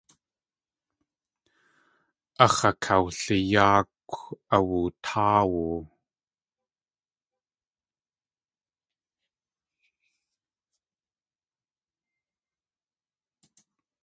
Áx̲ akwliyáakw awutáawu.